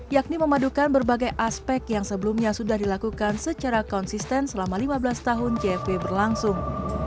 yakni memadukan berbagai aspek yang sebelumnya sudah dilakukan secara konsisten selama lima belas tahun jfw berlangsung